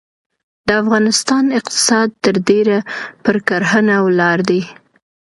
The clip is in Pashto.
د افغانستان اقتصاد ترډیره پرکرهڼه ولاړ دی.